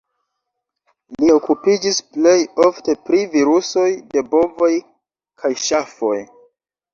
Li okupiĝis plej ofte pri virusoj de bovoj kaj ŝafoj.